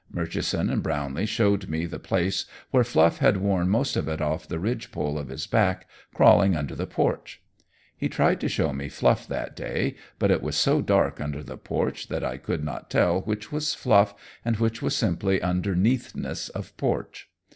Murchison and Brownlee showed me the place where Fluff had worn most of it off the ridge pole of his back crawling under the porch. He tried to show me Fluff that day, but it was so dark under the porch that I could not tell which was Fluff and which was simply underneathness of porch.